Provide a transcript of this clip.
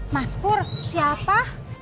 mas pur siapa